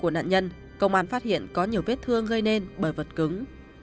của nạn nhân công an phát hiện có nhiều vết thương gây nên bởi vật cứng